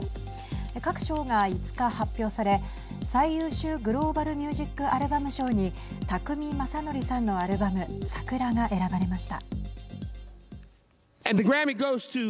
各賞が５日発表され最優秀グローバル・ミュージック・アルバム賞に宅見将典さんのアルバムＳＡＫＵＲＡが選ばれました。